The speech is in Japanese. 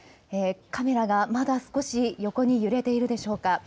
カメラがまだ少し横に揺れているでしょうか。